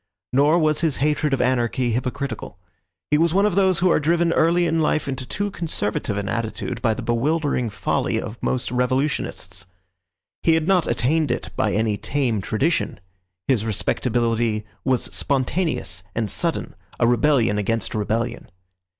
Nor was his hatred of anarchy hypocritical. He was one of those who are driven early in life into too conservative an attitude by the bewildering folly of most revolutionists. He had not attained it by any tame tradition. His respectability was spontaneous and sudden, a rebellion against rebellion.